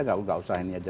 nggak usah ini aja